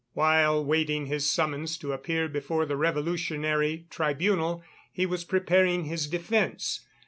While waiting his summons to appear before the Revolutionary Tribunal, he was preparing his defence.